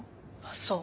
そう。